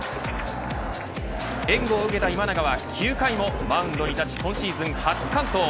援護を受けた今永は、９回もマウンドに立ち今シーズン初完投。